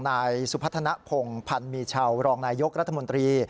นายสุพัฒนภงพันธ์มีชาวรองนายยกรัฐมนตรี